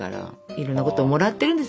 いろんなこともらってるんですね。